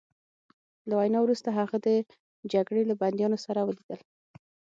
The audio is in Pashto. له وینا وروسته هغه د جګړې له بندیانو سره ولیدل